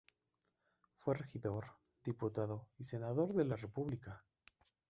Fue regidor, diputado y senador de la república.